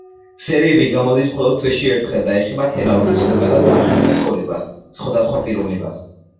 სერიები გამოდის მხოლოდ თვეში ერთხელ და ეხება თელავის და ზოგადად კახეთის ცხოვრებას, სხვადასხვა პიროვნებას.